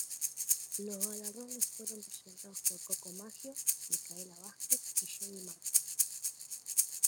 Los galardones fueron presentados por Coco Maggio, Micaela Vázquez y Jenny Martínez.